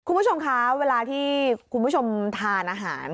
คุณผู้ชมคะเวลาที่คุณผู้ชมทานอาหาร